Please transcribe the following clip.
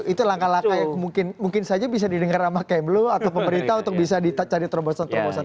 itu langkah langkah yang mungkin saja bisa didengar sama kmlu atau pemerintah untuk bisa dicari terobosan terobosan